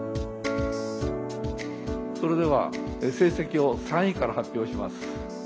それでは成績を３位から発表します。